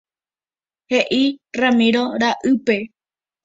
He'i Ramiro ra'ýpe.